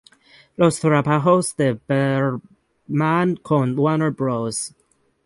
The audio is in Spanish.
Los trabajos de Bergman con Warner Bros.